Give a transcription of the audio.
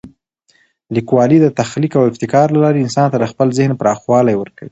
لیکوالی د تخلیق او ابتکار له لارې انسان ته د خپل ذهن پراخوالی ورکوي.